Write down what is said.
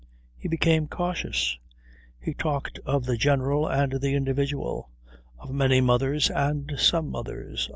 He became cautious. He talked of the general and the individual. Of many mothers and some mothers.